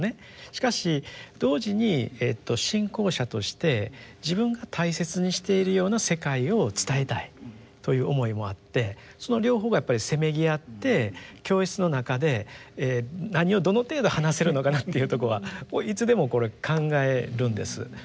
しかし同時に信仰者として自分が大切にしているような世界を伝えたいという思いもあってその両方がやっぱりせめぎ合って教室の中で何をどの程度話せるのかなというとこはいつでもこれ考えるんです。